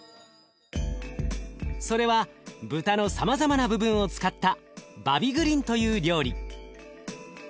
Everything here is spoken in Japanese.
それは豚のさまざまな部分を使ったバビグリンという料理。